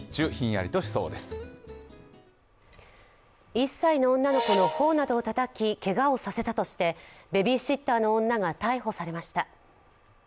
１歳の女の子の頬などをたたきけがをさせたとしてベビーシッターの女が逮捕されました。